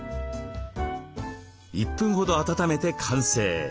１分ほど温めて完成。